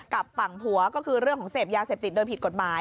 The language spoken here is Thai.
กับฝั่งผัวก็คือเรื่องของเสพยาเสพติดโดยผิดกฎหมาย